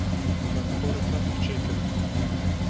Min porê xwe firçe kir.